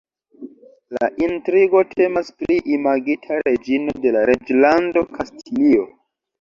La intrigo temas pri imagita reĝino de la Reĝlando Kastilio.